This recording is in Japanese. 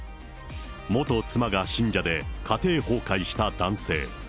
元妻が信者で家庭崩壊した男性。